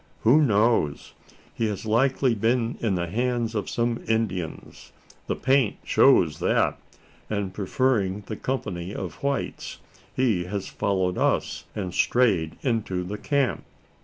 "Who knows? He has likely been in the hands of some Indians the paint shows that and preferring the company of whites, he has followed us, and strayed into the camp."